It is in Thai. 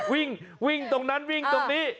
วิ่งวิ่งตรงนั้นวิ่งตรงนี้